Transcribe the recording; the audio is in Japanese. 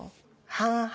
半々？